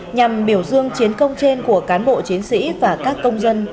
nhằm biểu dương chiến công trên của cán bộ chiến sĩ và các công dân